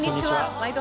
「ワイド！